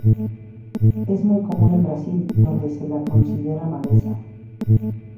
Es muy común en Brasil, donde se la considera maleza.